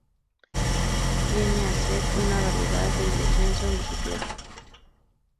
Viene a ser una variedad del descenso en bicicleta.